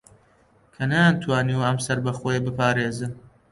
کە نەیانتوانیوە ئەم سەربەخۆیییە بپارێزن